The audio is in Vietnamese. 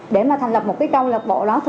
để mà thành lập một cái công lập bộ đó